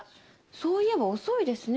そういえば遅いですね。